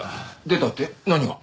出たって何が？